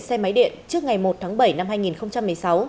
xe máy điện trước ngày một tháng bảy năm hai nghìn một mươi sáu